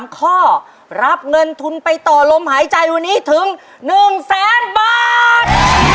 ๓ข้อรับเงินทุนไปต่อลมหายใจวันนี้ถึง๑แสนบาท